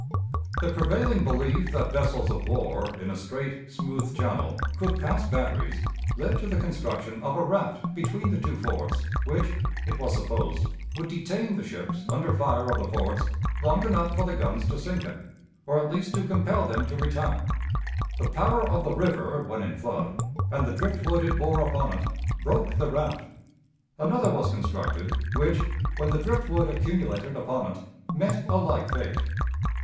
The prevailing belief that vessels of war, in a straight, smooth channel, could pass batteries, led to the construction of a raft between the two forts which, it was supposed, would detain the ships under fire of the forts long enough for the guns to sink them, or at least to compel them to retire. The power of the river when in flood, and the drift wood it bore upon it, broke the raft; another was constructed, which, when the drift wood accumulated upon it, met a like fate.